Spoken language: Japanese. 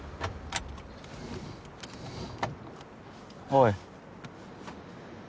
おい。